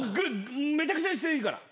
めちゃくちゃにしていいから。